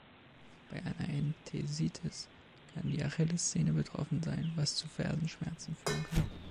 Bei einer Enthesitis kann die Achillessehne betroffen sein, was zu Fersenschmerzen führen kann.